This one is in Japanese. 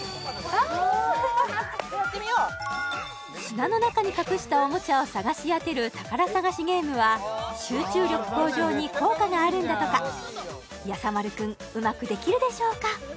はーいはーいやってみよう砂の中に隠したおもちゃを探し当てる宝さがしゲームは集中力向上に効果があるんだとかやさ丸くんうまくできるでしょうか？